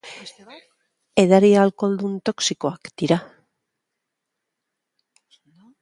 Edari alkoholdunak toxikoak dira.